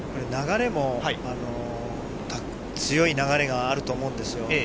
地元の利というと流れも強い流れがあると思うんですよ。